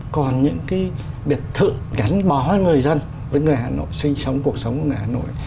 còn những cái biệt thự gắn bó với người dân với người hà nội sinh sống cuộc sống của người hà nội